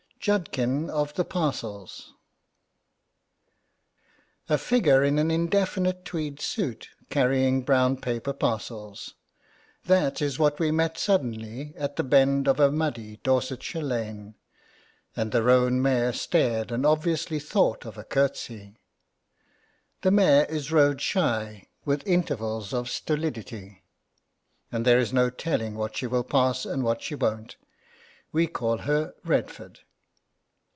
JUDKIN OF THE PARCELS A FIGURE in an indefinite tweed suit, carrying brown paper parcels. That is what we met suddenly, at the bend of a muddy Dorsetshire lane, and the roan mare stared and obviously thought of a curtsey. The mare is road shy, with intervals of stolidity, and there is no telling what she will pass and what she won't. We call her Redford.